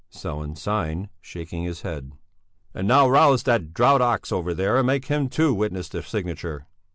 Sellén signed, shaking his head. "And now rouse that draught ox over there and make him, too, witness the signature."